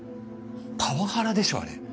パワハラでしょあれ。